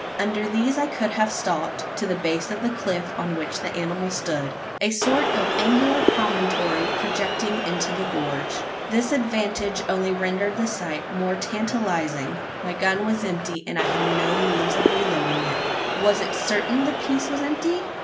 Under these I could have stalked, to the base of the cliff on which the animal stood a sort of angular promontory projecting into the gorge. This advantage only rendered the sight more tantalising: my gun was empty, and I had no means of reloading it. Was it certain the piece was empty?